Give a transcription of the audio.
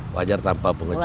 wajar tanpa pemulihan